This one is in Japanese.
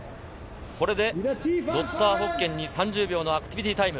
これでロッター・フォッケンに３０秒のアクティビティータイム。